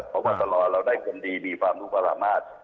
ภาวะตลอดเราได้คนดีมีความรู้ประหมาตร